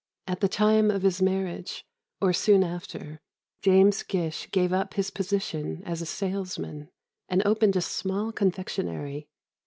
At the time of his marriage, or soon after, James Gish gave up his position as a salesman, and opened a small confectionery.